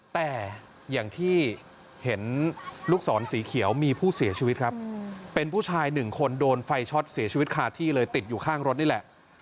แต่อย่างที่เห็นลูกศรสีเขียวมีผู้เสียชีวิตครับเป็นผู้ชายหนึ่งคนโดนไฟช็อตเสียชีวิตคาที่เลยติดอยู่ข้างรถนี่แหละ